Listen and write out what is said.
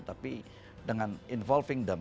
tapi dengan involving them